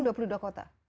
sekarang dua puluh dua kota